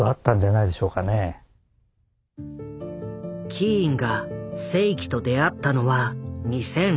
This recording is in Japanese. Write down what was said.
キーンが誠己と出会ったのは２００６年。